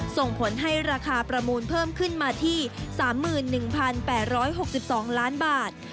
ส่งผลให้ราคาประมูลเพิ่มขึ้นมาที่๓๑๘๖๒ล้านบาท